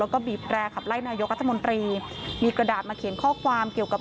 แล้วก็บีบแรร์ขับไล่นายกรัฐมนตรีมีกระดาษมาเขียนข้อความเกี่ยวกับ